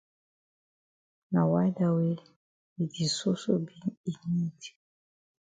Na why dat wey yi di soso be in need.